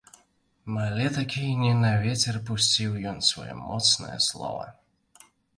Але такі не на вецер пусціў ён сваё моцнае слова.